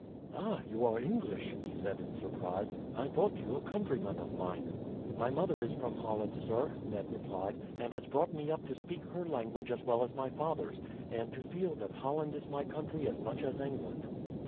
"Ah! you are English," he said in surprise. "I thought you a countryman of mine." "My mother is from Holland, sir," Ned replied; "and has brought me up to speak her language as well as my father's, and to feel that Holland is my country as much as England."